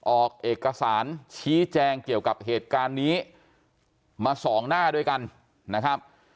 ออกเอกสารชี้แจงเกี่ยวกับเหตุการณ์นี้มาสองหน้าด้วยกันนะครับ